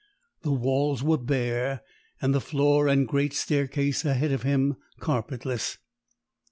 The walls were bare, and the floor and great staircase ahead of him carpetless.